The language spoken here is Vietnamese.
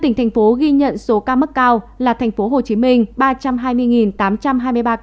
năm tỉnh thành phố ghi nhận số ca mức cao là thành phố hồ chí minh ba trăm hai mươi tám trăm hai mươi ba ca